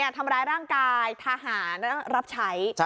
ทำร้ายร่างกายทหารรับใช้